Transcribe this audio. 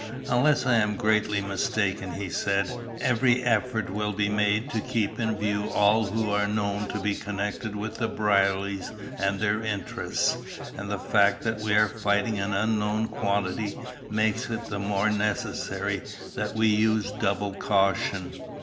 "Unless I am greatly mistaken," he said, "every effort will be made to keep in view all who are known to be connected with the Brierlys and their interests, and the fact that we are fighting an unknown quantity makes it the more necessary that we use double caution.